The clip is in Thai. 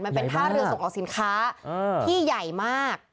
มันเป็นท่าเรือส่งออกสินค้าที่ใหญ่มาก